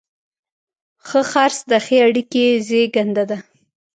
ښه خرڅ د ښې اړیکې زیږنده ده.